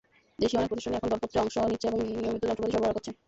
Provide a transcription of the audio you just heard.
দেশীয় অনেক প্রতিষ্ঠানই এখন দরপত্রে অংশ নিচ্ছে এবং নিয়মিতই যন্ত্রপাতি সরবরাহ করছে।